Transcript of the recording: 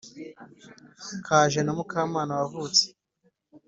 Kaje na Mukamana wavutse